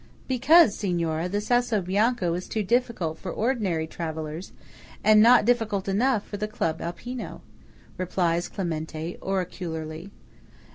"Because, Signora, the Sasso Bianco is too difficult for ordinary travellers, and not difficult enough for the Club Alpino," replies Clementi, oracularly.